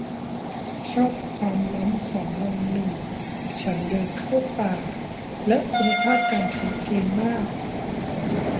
ชอบความล้ำของวันหนึ่งฉันเดินเข้าป่า และคุณภาพการทำเพลงมาก